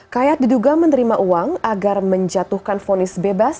kayat diduga menerima uang agar menjatuhkan fonis bebas